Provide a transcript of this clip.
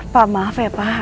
pak maaf ya pak